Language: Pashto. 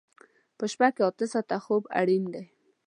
په شپه کې اته ساعته خوب اړین دی.